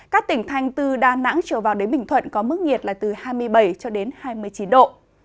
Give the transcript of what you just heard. các tỉnh thanh từ đà nẵng trở vào đến bình thuận có mức nhiệt là từ hai mươi bảy hai mươi chín độ